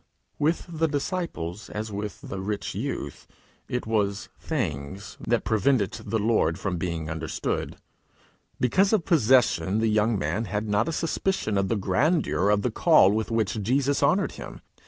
With the disciples as with the rich youth, it was Things that prevented the Lord from being understood. Because of possession the young man had not a suspicion of the grandeur of the call with which Jesus honoured him.